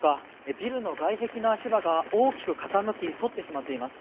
ビルの外壁の足場が大きく傾き反ってしまっています。